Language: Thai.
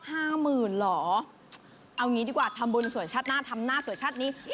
๕หมื่นเหรอเอาอย่างนี้ดีกว่าทำบนสวยชัดหน้าทำหน้าสวยชัดนี้